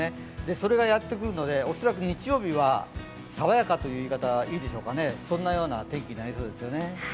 それがやってくるので、恐らく日曜日は爽やかという言い方がいいでしょうか、そんなような天気になりそうですね。